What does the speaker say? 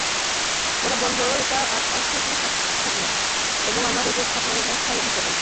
ওরা বলল, এটা অর্থহীন স্বপ্ন এবং আমরা এরূপ স্বপ্ন-ব্যাখ্যায় অভিজ্ঞ নই।